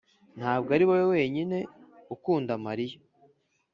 ntabwo ari wowe wenyine ukunda mariya.